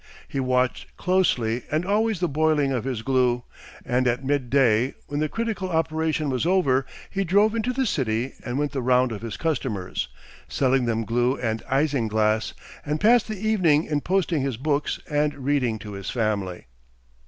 He watched closely and always the boiling of his glue, and at mid day, when the critical operation was over, he drove into the city and went the round of his customers, selling them glue and isinglass, and passed the evening in posting his books and reading to his family.